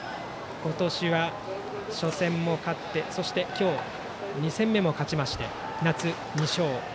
今年は初戦も勝ってそして今日の２戦目も勝ちまして夏２勝。